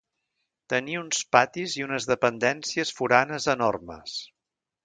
Tenia uns patis i unes dependències foranes enormes